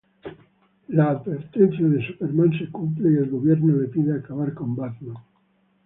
La advertencia de Superman se cumple, y el gobierno le pide acabar con Batman.